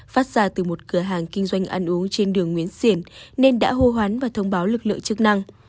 phát ra từ một cửa hàng kinh doanh ăn uống trên đường nguyễn xiển nên đã hô hoán và thông báo lực lượng chức năng